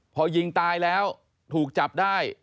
พอยิงตายแล้วถูกจับได้